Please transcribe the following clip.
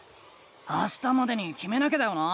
あしたまでにきめなきゃだよな？